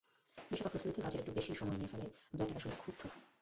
বিশ্বকাপ প্রস্তুতিতে ব্রাজিল একটু বেশিই সময় নিয়ে ফেলায় ব্ল্যাটার আসলে ক্ষুব্ধ।